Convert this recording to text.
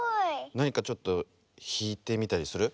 なにかちょっとひいてみたりする？